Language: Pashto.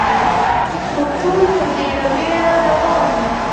موږ ټول په ډېره بېړه روان و.